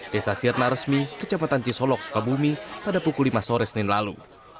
desa sirna resmi kecamatan cisolok sukabumi pada pukul lima sore senin lalu